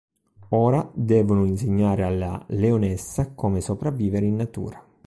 Ora, devono insegnare alla leonessa come sopravvivere in natura.